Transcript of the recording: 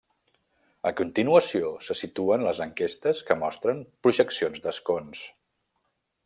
A continuació se situen les enquestes que mostren projeccions d'escons.